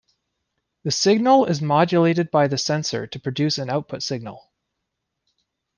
The signal is modulated by the sensor to produce an output signal.